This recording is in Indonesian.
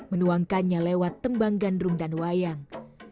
menuangkannya lewat tembang gandrum dan wayang